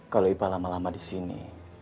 kalau ipal lama lama di sini